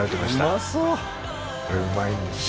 うまそうこれうまいんですよ